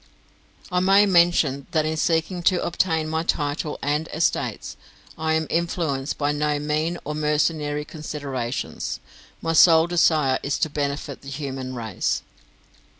"I may mention that in seeking to obtain my title and estates, I am influenced by no mean or mercenary considerations; my sole desire is to benefit the human race.